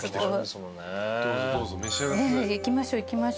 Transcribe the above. いきましょう。